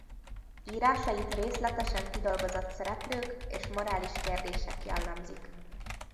Írásait részletesen kidolgozott szereplők és morális kérdések jellemzik.